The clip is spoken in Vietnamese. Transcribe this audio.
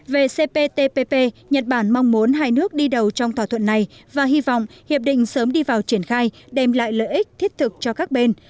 về cptpp nhật bản mong muốn hai nước đi đầu trong thỏa thuận này và hy vọng hiệp định sớm đi vào triển khai đem lại lợi ích thiết thực cho các bên